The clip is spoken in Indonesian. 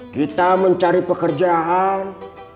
kita mencari pekerjaan